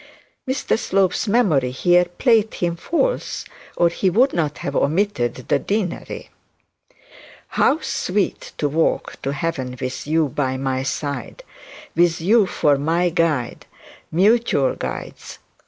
(Mr Slope's memory here played him false, or he would not have omitted the deanery) 'How sweet to walk to heaven with you by my side, with you for my guide, mutual guides.